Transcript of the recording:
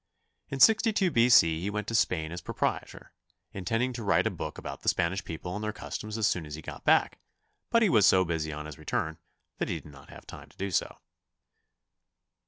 In 62 B. C. he went to Spain as Proprætor, intending to write a book about the Spanish people and their customs as soon as he got back, but he was so busy on his return that he did not have time to do so.